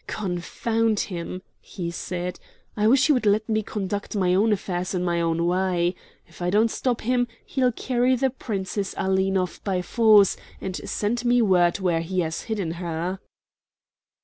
"Confound him!" he said; "I wish he would let me conduct my own affairs in my own way. If I don't stop him, he'll carry the Princess Aline off by force and send me word where he has hidden her."